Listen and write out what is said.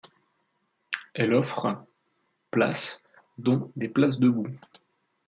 Elle offre places dont des places debout.